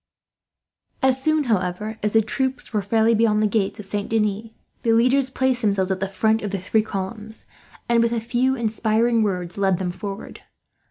As soon, however, as the troops were fairly beyond the gates of Saint Denis, the leaders placed themselves at the head of the three columns and, with a few inspiring words, led them forward.